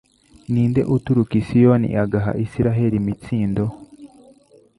Ni nde uturuka i Siyoni agaha Israheli imitsindo?